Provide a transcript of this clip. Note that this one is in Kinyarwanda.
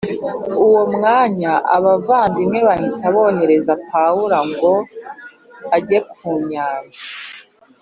Uwo mwanya abavandimwe bahita bohereza Pawulo ngo ajye ku nyanja